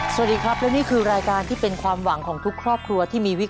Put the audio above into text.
สวัสดีครับและนี่คือรายการที่เป็นความหวังของทุกครอบครัวที่มีวิกฤต